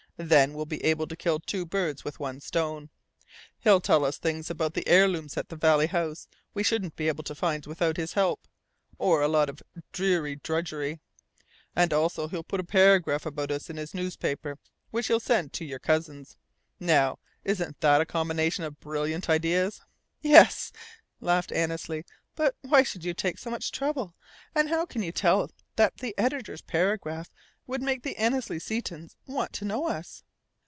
Then we'll be able to kill two birds with one stone. He'll tell us things about the heirlooms at Valley House we shouldn't be able to find out without his help or a lot of dreary drudgery and also he'll put a paragraph about us in his newspaper, which he'll send to your cousins. Now, isn't that a combination of brilliant ideas?" "Yes," laughed Annesley. "But why should you take so much trouble and how can you tell that the editor's paragraph would make the Annesley Setons want to know us?"